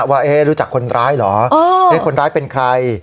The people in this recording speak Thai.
ว่าเอ๊ะรู้จักคนร้ายเหรอเอ้อเอ๊ะคนร้ายเป็นใคร